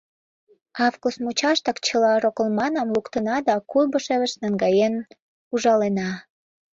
Август мучаштак чыла роколманам луктына да Куйбышевыш наҥгаен ужалена.